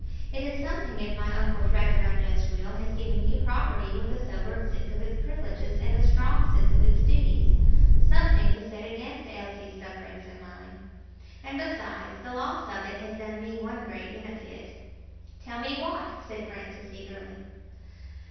It is something if my uncle's rather unjust will has given you property with a sobered sense of its privileges and a strong sense of its duties something to set against Elsie's sufferings and mine. And, besides, the loss of it has done me one great benefit." "Tell me what," said Francis, eagerly.